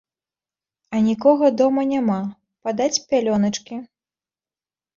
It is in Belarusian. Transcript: А нікога дома няма падаць пялёначкі?